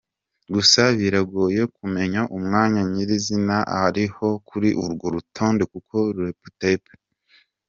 Gusa, biragoye kumenya umwanya nyir’izina ariho kuri urwo tutonde kuko Reputationpoll.